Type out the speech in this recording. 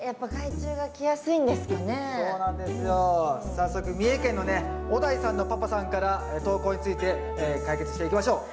早速三重県のねおだいさんのパパさんから投稿について解決していきましょう。